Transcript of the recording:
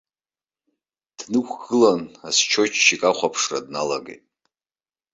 Днықәгылан, асчиотчик ахәаԥшра дналагеит.